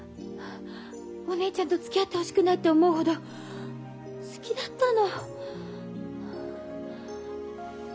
お姉ちゃんとつきあってほしくないって思うほど好きだったの。